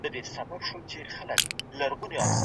غله راغله بې ارزښته شيان يې